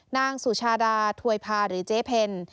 นางสุชาดาถวยพาหรือเจ๊เพล